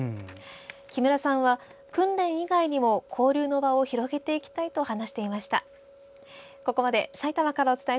木村さんは訓練以外に交流の場を広げていきたいと話していました。